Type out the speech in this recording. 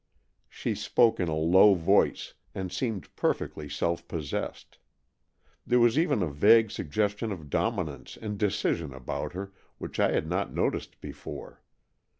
She spoke in a low voice, and seemed perfectly self possessed. There was even a vague suggestion of dominance and decision about her which I had not noticed before.